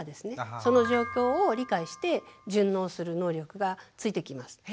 その状況を理解して順応する能力がついてきます。